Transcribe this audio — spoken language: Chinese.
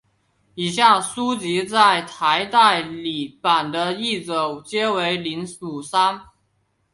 以下书籍在台代理版的译者皆为林武三。